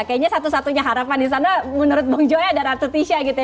kayaknya satu satunya harapan di sana menurut bung joy ada ratu tisha gitu ya